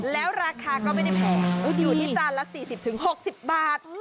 แล้วราคาก็ไม่ได้แพงอยู่ที่จานละ๔๐๖๐บาท